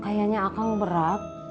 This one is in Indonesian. kayaknya akang berat